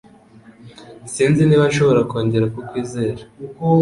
Sinzi niba nshobora kongera kukwizera.